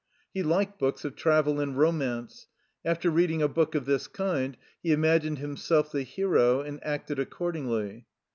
He liked books of travel and romance. After reading a book of this kind, he imagined himself the hero and acted accordingly.